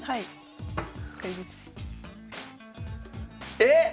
えっ